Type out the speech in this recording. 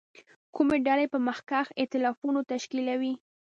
کومې ډلې به مخکښ اېتلافونه تشکیلوي.